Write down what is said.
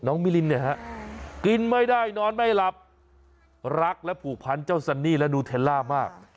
มิลินเนี่ยฮะกินไม่ได้นอนไม่หลับรักและผูกพันเจ้าซันนี่และนูเทลล่ามาก